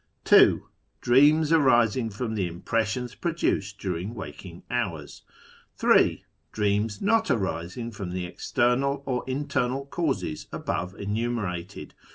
II. — Dreams arising from Impressions produced during Waking Hours. 111. DREAM.S NOT ARISING FROM THE EXTERNAL OR INTERNAL CaUSES ABOVE ENUMERATED.